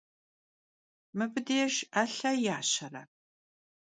Mıbı dêjj 'elhe yaşere?